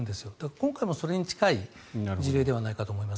今回もそれに近い事例ではないかと思います。